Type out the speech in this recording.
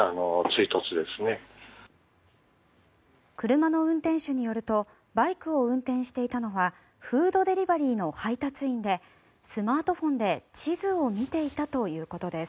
車の運転手によるとバイクを運転していたのはフードデリバリーの配達員でスマートフォンで地図を見ていたということです。